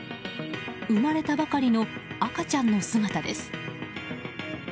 生まれたばかりの赤ちゃんの姿です。